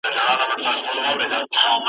هیلې راغلې تر کشپه ویل یاره `